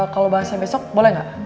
kalau bahasnya besok boleh gak